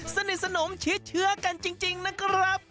สนิทสนมเชื้อกันจริงนะครับ